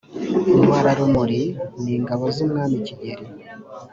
intwararumuri ni ingabo zumwami kigeli.